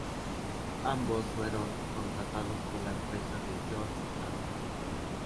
Ambos fueron contratados por la empresa de George A. Fuller.